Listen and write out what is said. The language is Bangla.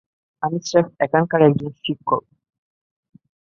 আমি স্রেফ এখানকার একজন শিক্ষক।